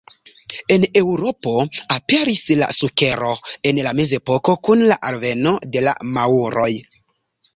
En Eŭropo aperis la sukero en la Mezepoko kun la alveno de la maŭroj.